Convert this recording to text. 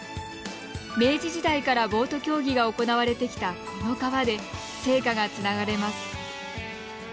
明治時代からボート競技が行われてきたこの川で聖火がつながれます。